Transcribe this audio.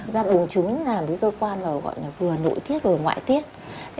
giảm bùng trứng là một cơ quan gọi là vừa nội tiết vừa ngoại tiết